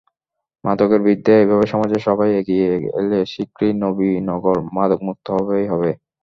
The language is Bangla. মাদকের বিরুদ্ধে এভাবে সমাজের সবাই এগিয়ে এলে শিগগিরই নবীনগর মাদকমুক্ত হবেই হবে।